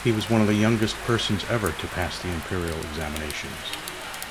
He was one of the youngest persons ever to pass the Imperial examinations.